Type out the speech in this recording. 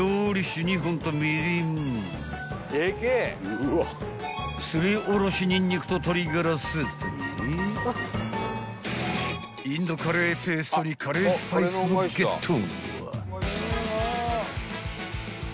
［すりおろしにんにくと鶏がらスープにインドカレーペーストにカレースパイスもゲット］